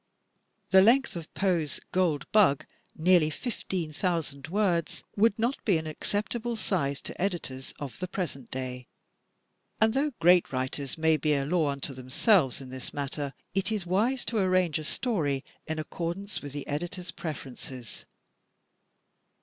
The length of Poe's "Gold Bug," nearly fifteen thousand words, would not be an acceptable size to editors of the present day. And though great writers may be a law unto themselves in this matter, it is wise to arrange a story in accordance with the editors' preferences.